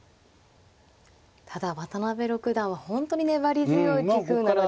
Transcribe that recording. ただ渡辺六段は本当に粘り強い棋風なので。